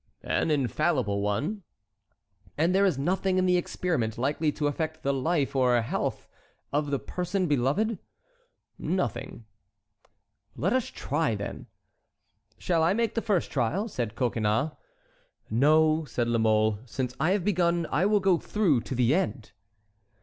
"An infallible one." "And there is nothing in the experiment likely to affect the life or health of the person beloved?" "Nothing." "Let us try, then." "Shall I make first trial?" said Coconnas. "No," said La Mole, "since I have begun, I will go through to the end."